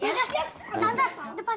ya ya ya mantap depan